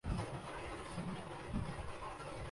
جیسے ان کی طاقت لامحدود ہو گئی ہے۔